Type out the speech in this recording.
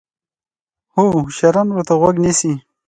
خو هوشیاران ورته غوږ نیسي.